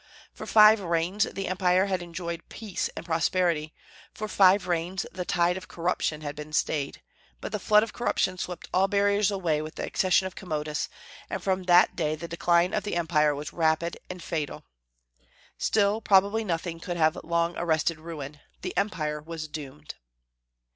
For five reigns the Empire had enjoyed peace and prosperity; for five reigns the tide of corruption had been stayed: but the flood of corruption swept all barriers away with the accession of Commodus, and from that day the decline of the Empire was rapid and fatal. Still, probably nothing could have long arrested ruin. The Empire was doomed.